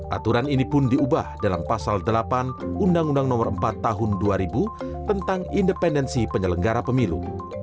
aturan ini pun diubah dalam pasal delapan undang undang nomor empat tahun dua ribu tentang independensi penyelenggara pemilu